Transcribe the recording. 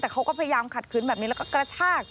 แต่เขาก็พยายามขัดขืนแบบนี้แล้วก็กระชาก